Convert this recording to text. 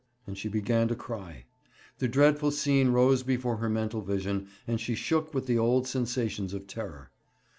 And she began to cry. The dreadful scene rose before her mental vision, and she shook with old sensations of terror.